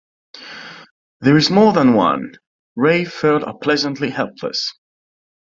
“There is more than one.” Ray felt unpleasantly helpless.